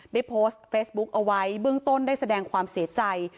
ได้โพสต์เฟซบุ๊กเอาไว้เบื้องต้นได้แสดงความเสียใจ